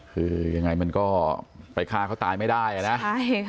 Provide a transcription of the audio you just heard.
คือยังไงมันก็ไปฆ่าเขาตายไม่ได้อ่ะนะใช่ค่ะ